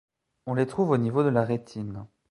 On les trouve au niveau de la rétine.